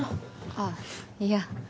あぁいや。